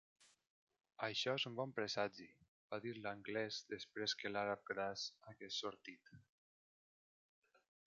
"Això és un bon presagi" va dir l'anglès després que l'àrab gras hagués sortit.